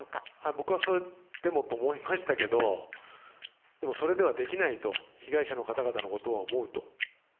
僕はそれでもと思いましたけどでも、それではできないと、被害者の方々のことを思うと。